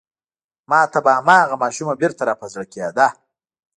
ما ته به هماغه ماشومه بېرته را په زړه کېده.